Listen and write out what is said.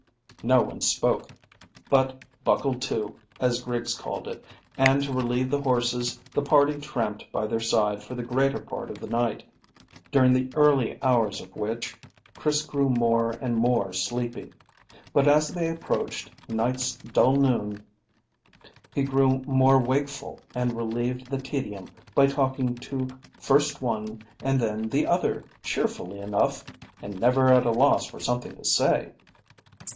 No one spoke, but "buckled to," as Griggs called it, and to relieve the horses the party tramped by their side for the greater part of the night, during the early hours of which Chris grew more and more sleepy; but as they approached "night's dull noon," he grew more wakeful and relieved the tedium by talking to first one and then the other cheerfully enough, and never at a loss for something to say.